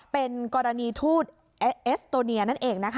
เป็นกรณีทูตเอสโตเนียแน่นั่นเอง